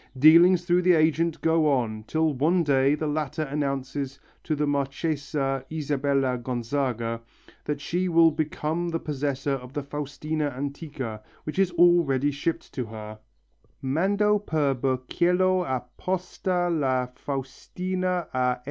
Dealings through the agent go on, till one day the latter announces to the Marchesa Isabella Gonzaga that she has become the possessor of the Faustina antica, which is already shipped to her (_Mando per burchiello a posta la Faustina a S.